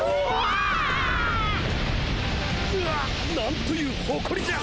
ぬおっなんというほこりじゃ！